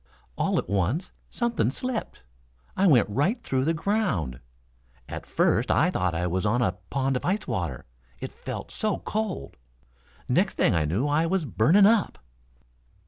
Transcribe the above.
"All at once something slipped. I went right through the ground. At first I thought I was a pond of ice water, it felt so cold. Next thing I knew I was burning up."